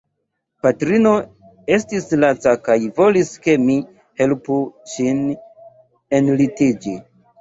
Patrino estis laca kaj volis ke mi helpu ŝin enlitiĝi.